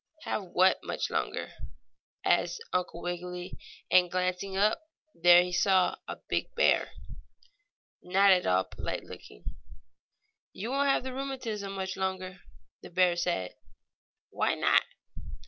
"Have what much longer?" asked Uncle Wiggily, and glancing up, there he saw a big bear, not at all polite looking. "You won't have the rheumatism much longer," the bear said. "Why not?"